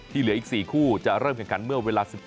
เหลืออีก๔คู่จะเริ่มแข่งขันเมื่อเวลา๑๗